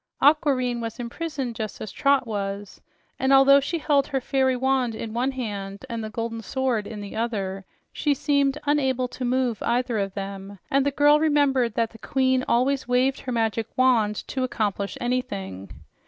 Aquareine was imprisoned just as Trot was, and although she held her fairy wand in one hand and the golden sword in the other, she seemed unable to move either of them, and the girl remembered that the queen always waved her magic wand to accomplish anything.